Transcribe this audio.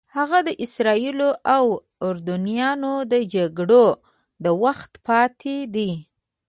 هغه د اسرائیلو او اردنیانو د جګړو د وخت پاتې دي.